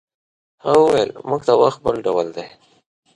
هغه وویل موږ ته وخت بل ډول دی.